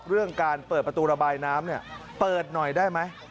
เรื่องการเปิดประตูระบายน้ำเปิดหน่อยได้ไหม